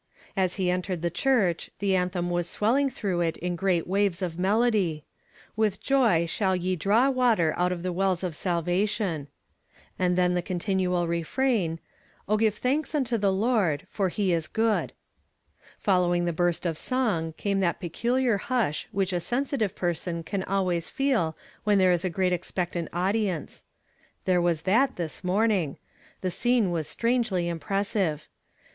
As he entered the church the anthem was swelling through it in great waves of melody :" With joy shall ye draw Avater out of the wells of salvation," And then tl!'.» c.^u tinual refrain :" O give thanks unto the Lord ; for \>h 222 YESTERDAY FllAMED IN TO DAY. he is good," Following the burst of song, came that peculiar hush which a sensitive i)erson can always feel when there is a great expectant audi ence. There was that this morning; the scene was strangely impressive.